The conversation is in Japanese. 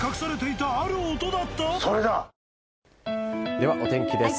では、お天気です。